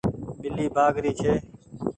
ٻلي ڀآگ ري ڇي۔